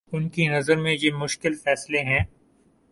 ان کی نظر میں یہ مشکل فیصلے ہیں؟